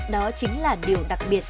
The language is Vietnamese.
đó chính là điều đặc biệt